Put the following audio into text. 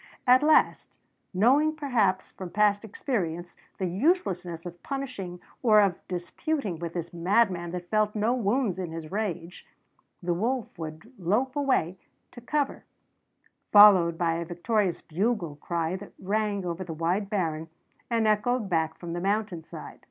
At last, knowing perhaps from past experience the uselessness of punishing or of disputing with this madman that felt no wounds in his rage, the wolf would lope away to cover, followed by a victorious bugle cry that rang over the wide barren and echoed back from the mountain side.